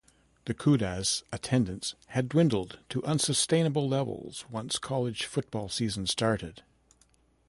The 'Cudas' attendance had dwindled to unsustainable levels once college football season started.